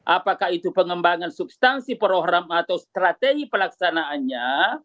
apakah itu pengembangan substansi program atau strategi pelaksanaannya